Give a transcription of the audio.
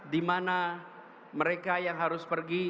dimana mereka yang harus pergi